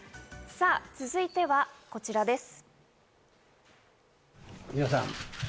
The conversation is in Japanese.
続いてはこちらです。